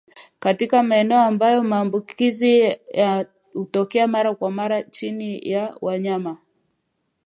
Katika maeneo ambayo maambukizi hutokea mara kwa mara chini ya ya wanyama